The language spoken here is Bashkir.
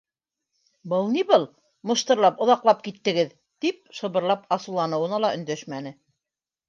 — Был ни был, мыштырлап, оҙаҡлап киттегеҙ? — тип шыбырлап асыуланыуына ла өндәшмәне.